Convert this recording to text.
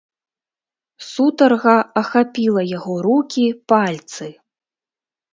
Сутарга ахапіла яго рукі, пальцы.